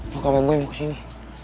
loh kamu boy mau kesini